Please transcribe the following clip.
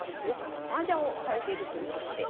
マージャンをされているということで。